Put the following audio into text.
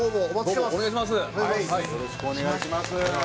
よろしくお願いします。